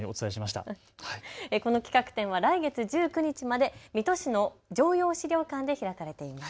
この企画展は来月１９日まで水戸市の常陽史料館で開かれています。